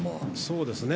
そうですね。